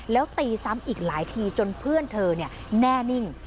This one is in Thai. แล้วตีซ้ำอีกหลายทีจนเพื่อนเธอแน่นิ่ง